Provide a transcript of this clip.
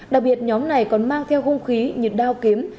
đặc biệt nhóm này còn mang theo hung khí như đao kiếm